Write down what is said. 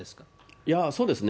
いや、そうですね。